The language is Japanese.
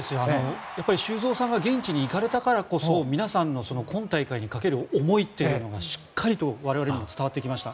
やっぱり修造さんが現地に行かれたからこそ皆さんの今大会にかける思いというのがしっかりと我々にも伝わりました。